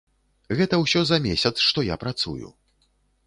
Гэта ўсё за месяц, што я працую.